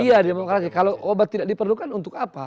iya demokrasi kalau obat tidak diperlukan untuk apa